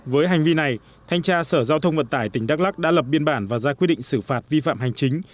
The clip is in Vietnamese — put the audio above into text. với hành vi này thanh tra sở giao thông vận tải tỉnh đắk lắc đã lập biên bản và ra quyết định xử phạt vi phạm hành chính